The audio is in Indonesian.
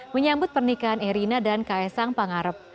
menyambut pernikahan erina dan ks ang pangarep